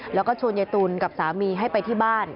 แล้วก็ชวนยายตุลกับสามีให้ไปที่บ้าน